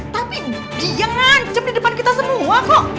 tapi dia ngancam di depan kita semua kok